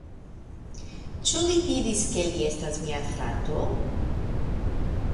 Ĉu li diris, ke li estas mia frato?